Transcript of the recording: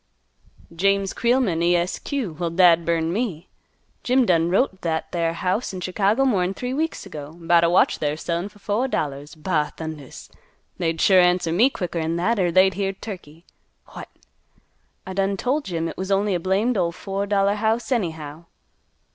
"James Creelman, E S Q., Wal, dad burn me. Jim done wrote t' that there house in Chicago more'n three weeks ago, 'bout a watch they're a sellin' fer fo' dollars. Ba thundas! They'd sure answer me quicker'n that, er they'd hear turkey. What! I done tole Jim it was only a blamed ol' fo' dollar house anyhow."